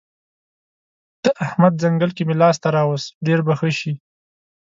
د احمد ځنګل که مې لاس ته راوست؛ ډېر به ښه شي.